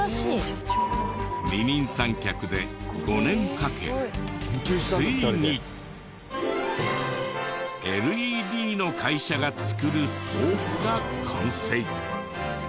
二人三脚で５年かけついに！ＬＥＤの会社が作る豆腐が完成。